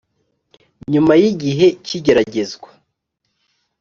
nyuma yi gihe cy’igeragezwa